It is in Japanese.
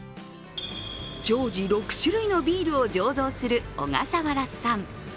常時６種類のビールを醸造する小笠原さん。